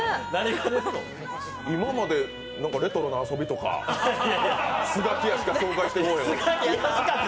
今までレトロな遊びとかスガキヤしか紹介してこなかった。